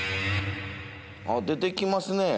あっ出てきますね。